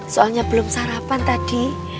soalnya belum sarapan tadi